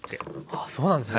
あそうなんですか。